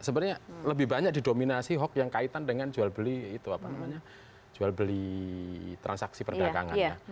sebenarnya lebih banyak didominasi hoax yang kaitan dengan jual beli transaksi perdagangannya